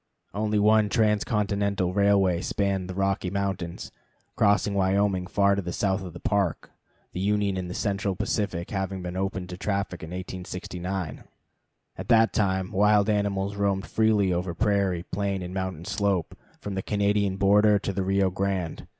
Only one trans continental railway spanned the Rocky Mountains, crossing Wyoming far to the south of the Park, the Union and Central Pacific having been opened to traffic in 1869. At that time, wild animals roamed freely over prairie, plain, and mountain slope, from the Canadian border to the Rio Grande.